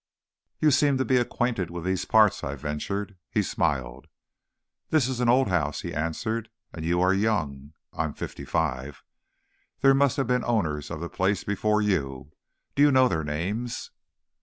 "You seem to be acquainted with these parts," I ventured. He smiled. "This is an old house," he answered, "and you are young." (I am fifty five.) "There must have been owners of the place before you. Do you know their names?"